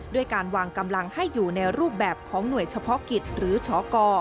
ด้วยการวางกำลังให้อยู่ในรูปแบบของหน่วยเฉพาะกิจหรือชก